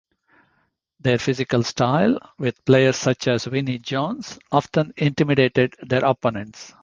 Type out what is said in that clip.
Their physical style, with players such as Vinnie Jones, often intimidated their opponents.